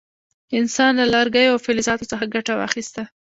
انسان له لرګیو او فلزاتو څخه ګټه واخیسته.